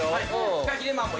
フカヒレマンも